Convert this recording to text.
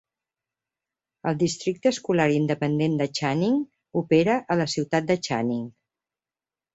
El districte escolar independent de Channing opera a la ciutat de Channing.